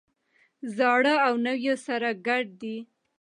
زاړه او نوي سره ګډ دي.